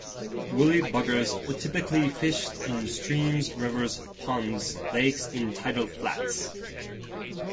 Woolly Buggers are typically fished in streams, rivers, ponds, lakes, and tidal flats.